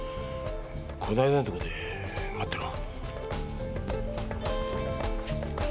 こないだのとこで待ってろ。